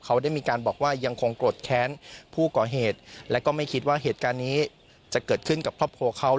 เขาได้มีการบอกว่ายังคงโกรธแค้นผู้ก่อเหตุและก็ไม่คิดว่าเหตุการณ์นี้จะเกิดขึ้นกับครอบครัวเขา